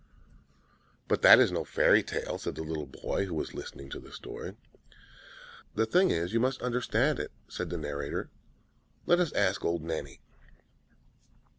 "But that is no fairy tale," said the little boy, who was listening to the story. "The thing is, you must understand it," said the narrator; "let us ask old Nanny."